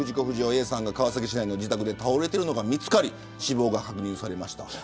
不二雄Ａさんが川崎市内の自宅で倒れているのが見つかり死亡が確認されました。